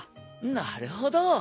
なるほど。